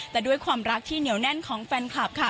แต่ด้วยความรักที่เหนียวแน่นของแฟนคลับค่ะ